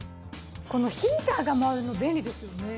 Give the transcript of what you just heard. このヒーターが回るの便利ですよね。